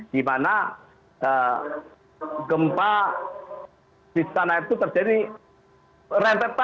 dimana gempa di sana itu terjadi rentetan gempa gempa besar